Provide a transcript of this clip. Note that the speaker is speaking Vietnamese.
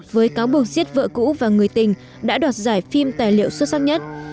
với cáo buộc giết vợ cũ và người tình đã đoạt giải phim tài liệu xuất sắc nhất